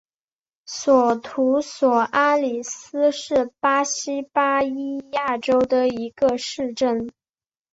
索图索阿里斯是巴西巴伊亚州的一个市镇。